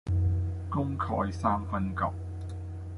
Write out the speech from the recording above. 功蓋三分國